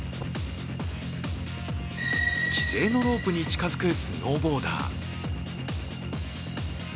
規制のロープに近づくスノーボーダー。